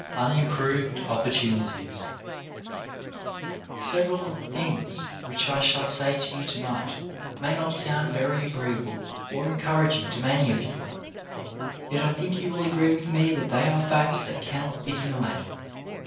UNIMPROVED OPPORTUNITIES Several of the things which I shall say to you to night may not ' sound very agreeable or en couraging to many of you, yet I think you will agree with me that they are facts that cannot be denied.